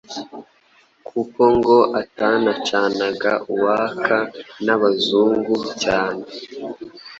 kuko ngo atanacanaga uwaka n’abazungu cyane